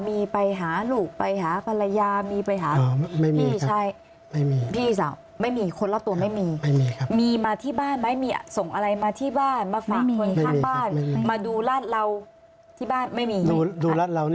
มีไปหาลูกไปหาภรรยามีไปหา